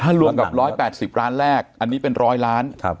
ถ้ารวมกับ๑๘๐ล้านแรกอันนี้เป็น๑๐๐ล้าน